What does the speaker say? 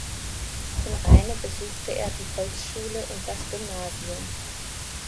In Rheine besuchte er die Volksschule und das Gymnasium.